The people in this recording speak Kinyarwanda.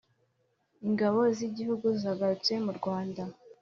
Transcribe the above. ingabo z'igihugu, zagarutse mu rwanda